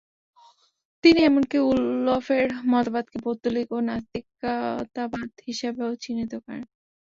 তিনি এমনকি উলফের মতবাদকে "পৌত্তলিক ও নাস্তিকতাবাদ" হিসাবেও চিহ্নিত করেন।